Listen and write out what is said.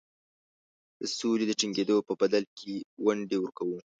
د سولي د ټینګېدلو په بدل کې ونډې ورکوو.